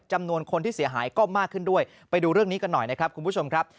จำนวนคนที่เสียหายก็มากขึ้นด้วยไปดูเรื่องนี้กันหน่อยนะครับคุณผู้ชมครับ